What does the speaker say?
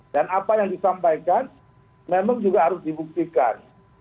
dan apa yang disampaikan memang juga harus dibuktikan